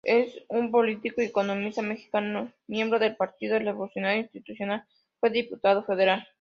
Es un político y economista mexicano, miembro del Partido Revolucionario Institucional, fue Diputado Federal.